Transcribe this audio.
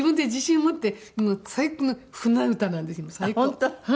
本当？